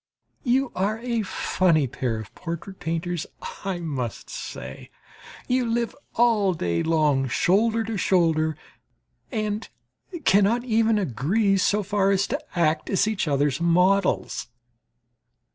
You are a funny pair of portrait painters, I must say! You live all day long shoulder to shoulder and cannot even agree so far as to act as each other's models.